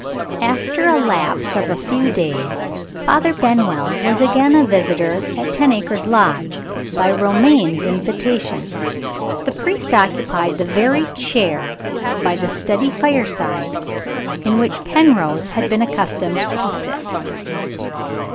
AFTER a lapse of a few days, Father Benwell was again a visitor at Ten Acres Lodge by Romayne's invitation. The priest occupied the very chair, by the study fireside, in which Penrose had been accustomed to sit.